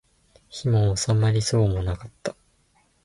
火も納まりそうもなかった